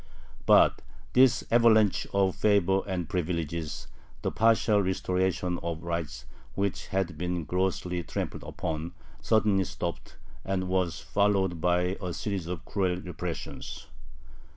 But this avalanche of "favors" and "privileges" the partial restoration of rights which had been grossly trampled upon suddenly stopped, and was followed by a series of cruel repressions.